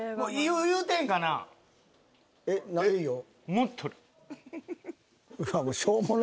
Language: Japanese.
言うてええんかな。